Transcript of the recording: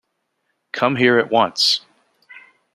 Come here at once.